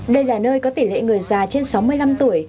đây là nơi có tỷ lệ người già trên sáu mươi năm tuổi